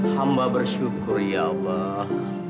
hamba bersyukur ya allah